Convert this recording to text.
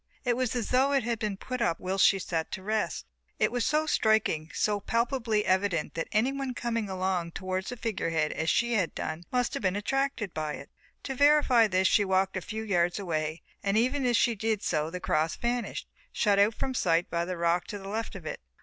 It was as though it had been put up whilst she sat to rest. It was so striking, so palpably evident that anyone coming along towards the figure head as she had done must have been attracted by it. To verify this she walked a few yards away and even as she did so the cross vanished, shut out from sight by the rock to the left of it.